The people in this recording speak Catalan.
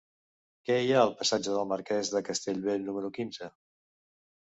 Què hi ha al passatge del Marquès de Castellbell número quinze?